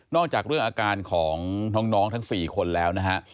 จากเรื่องอาการของน้องทั้ง๔คนแล้วนะฮะ